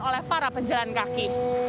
oleh para penjalan kaki